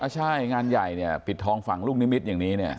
ใช่งานใหญ่เนี่ยปิดทองฝั่งลูกนิมิตอย่างนี้เนี่ย